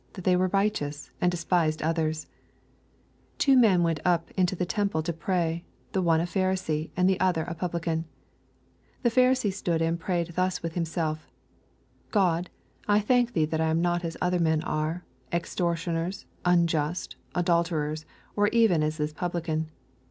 hat they were righteous, and de spised others. 10 Two men went up into the tem ple to pray : the one a Pharisee, and the other a publican. thus with himself, God, I thai& thee Ph 11 The Pharisee stood and prayed that I am not as other men ar«, ex tortioners, unjust, adulterers, or even as this publican.